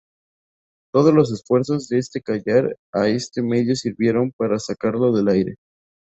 Todos los esfuerzos de callar a este medio sirvieron para sacarlo del aire.